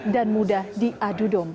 dan mudah diadu domba